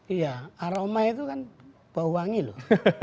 iya aroma itu kan bau wangi loh